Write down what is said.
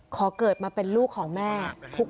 ขอเกิดมาเป็นลูกของแม่